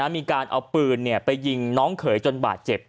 มีการเอาปืนไปยิงน้องเขยจนบาดเจ็บ